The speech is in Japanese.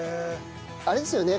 あれですよね？